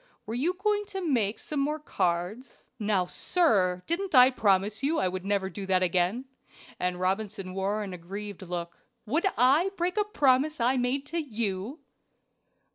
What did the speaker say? Were you going to make some more cards?" "Now, sir, didn't I promise you I never would do that again;" and Robinson wore an aggrieved look. "Would I break a promise I made to you?"